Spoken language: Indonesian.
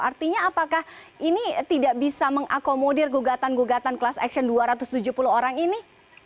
artinya apakah ini tidak bisa mengakomodir gugatan gugatan class action dua ratus tujuh puluh orang ini